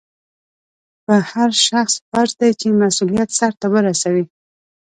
په هر شخص فرض دی چې مسؤلیت سرته ورسوي.